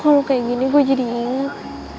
kalau kayak gini gue jadi inget